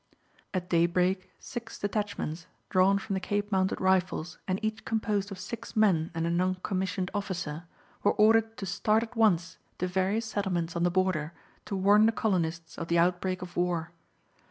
At daybreak, six detachments drawn from the Cape Mounted Rifles, and each composed of six men and a non commissioned officer were ordered to start at once to various settlements on the border, to warn the colonists of the outbreak of war.